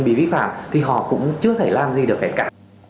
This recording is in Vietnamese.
bị vi phạm thì họ cũng chưa thể làm gì được hết cả